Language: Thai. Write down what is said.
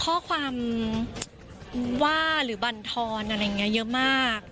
ข้อความว่าหรือบรรทรเยอะมาก